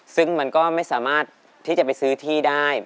ซึ่งมันก็ไม่สามารถที่จะไปซื้อที่ได้